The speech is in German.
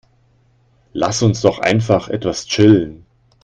Lass uns doch einfach etwas chillen.